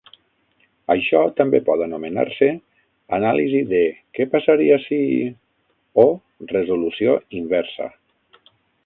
Això també pot anomenar-se anàlisi de "què passaria si ..." o "resolució inversa".